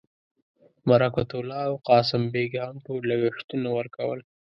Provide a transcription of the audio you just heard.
برکت الله او قاسم بېګ هم ټول لګښتونه ورکول.